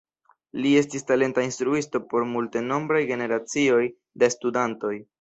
Li estis talenta instruisto por multenombraj generacioj da studantoj.